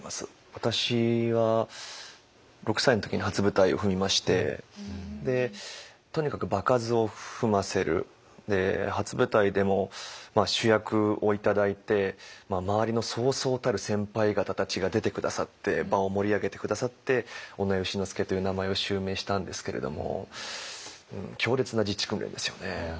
私は６歳の時に初舞台を踏みましてとにかく場数を踏ませる初舞台でも主役を頂いて周りのそうそうたる先輩方たちが出て下さって場を盛り上げて下さって尾上丑之助という名前を襲名したんですけれども強烈な実地訓練ですよね。